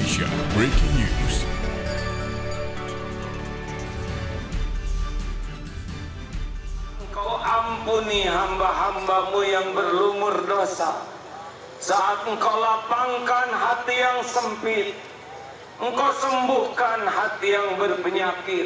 sampai jumpa di video selanjutnya